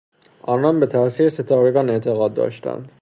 آنان به تاثیر بد ستارگان اعتقاد داشتند.